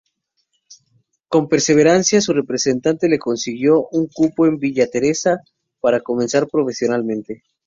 Con perseverancia, su representante le consiguió un cupo en Villa Teresa, para comenzar profesionalmente.